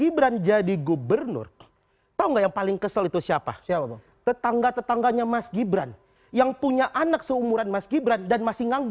eng veste dua hari kamu wisatu menanggung juga belum downloading